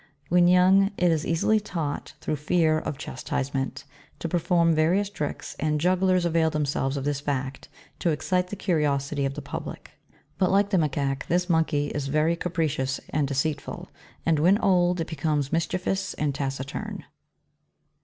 When young, it is easily taught through fear of chastisement, to perform various tricks, and jugglers avail themselves of this fact to excite the curi osity of the public; but like the Macaque, this monkey is very capricious and deceitful, and when old, it becomes mischievous and taciturn.